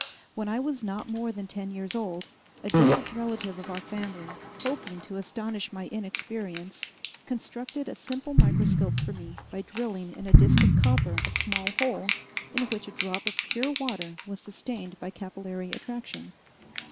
When I was not more than ten years old, a distant relative of our family, hoping to astonish my inexperience, constructed a simple microscope for me by drilling in a disk of copper a small hole in which a drop of pure water was sustained by capillary attraction.